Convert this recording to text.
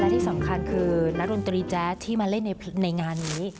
ที่สำคัญคือนักดนตรีแจ๊ดที่มาเล่นในงานนี้